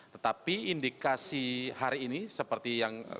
tetapi indikasi hari ini seperti yang